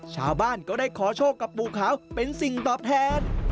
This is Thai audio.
ชาวบ้านก็ได้ขอโชคกับปู่ขาวเป็นสิ่งตอบแทน